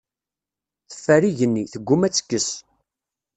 Teffer igenni, tegguma ad tekkes.